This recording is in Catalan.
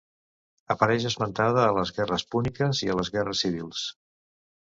Apareix esmentada a les guerres púniques i a les guerres civils.